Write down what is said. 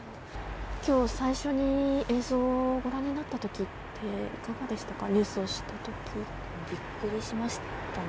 きょう、最初に映像をご覧になったときって、いかがでしたか、ニュースをびっくりしましたね。